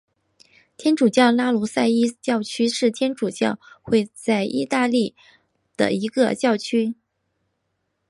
天主教拉努塞伊教区是天主教会在义大利的一个教区。